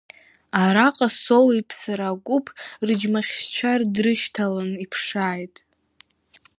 Араҟа Соу Иԥсара агәыԥ рыџьмахьшьцәа дрышьҭалан иԥшааит.